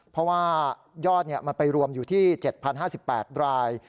เพราะว่ายอดมันไปรวมอยู่ที่๗๐๕๘ราย